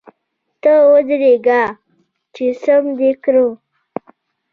ته ودرېږه چي ! سم دي کړم .